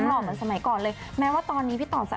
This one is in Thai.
คุณผู้ชมไม่เจนเลยค่ะถ้าลูกคุณออกมาได้มั้ยคะ